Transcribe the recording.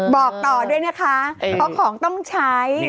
บอกต่อด้วยนะคะเพราะของต้องใช้